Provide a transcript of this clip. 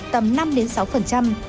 tầm năm đến sáu phần trăm